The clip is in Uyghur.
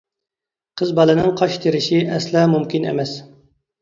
قىز بالىنىڭ قاش تېرىشى ئەسلا مۇمكىن ئەمەس!